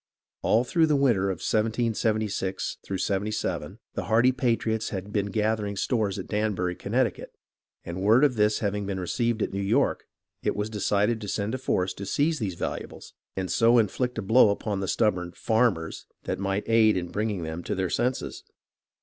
All through the winter of 1776 77 the hardy patriots had been gather ing stores at Danbury, Connecticut, and word of this hav ing been received at New York it was decided to send a force to seize these valuables and so inflict a blow upon the stubborn "farmers" that might aid in bringing them to their senses.